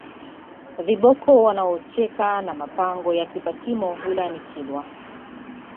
viboko wanaocheka na mapango ya Kipatimo wilayani Kilwa